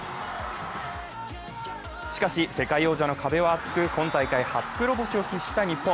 しかし世界王者の壁は厚く、今大会初黒星を喫した日本。